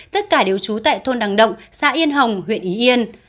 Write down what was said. tất cả đều trú tại thôn đằng động xã yên hồng huyện ý yên